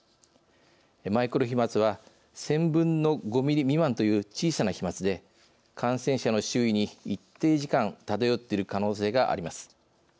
マイクロ飛まつは１０００分の５ミリ未満という小さな飛まつで感染者の周囲に一定時間漂っている可能性があります。